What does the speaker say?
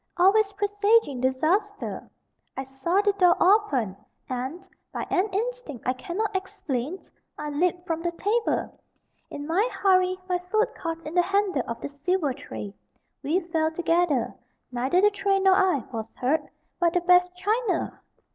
always presaging disaster. I saw the door open, and, by an instinct I cannot explain, I leaped from the table. In my hurry, my foot caught in the handle of the silver tray. We fell together neither the tray nor I was hurt but the best china!!!